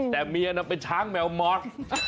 แต่เมียน่ะเป็นช้างแมวมอส